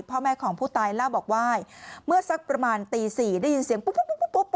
พ่อแม่ของผู้ตายเล่าบอกว่าเมื่อสักประมาณตี๔ได้ยินเสียงปุ๊บปุ๊บ